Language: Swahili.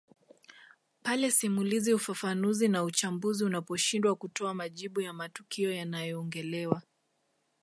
Pale simulizi ufafanuzi na uchambuzi unaposhindwa kutoa majibu ya matukio yanayoongelewa